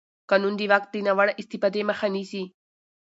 قانون د واک د ناوړه استفادې مخه نیسي.